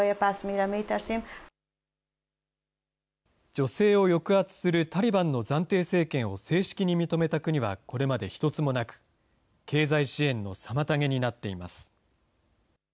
女性を抑圧するタリバンの暫定政権を正式に認めた国はこれまで一つもなく、経済支援の妨げになっています。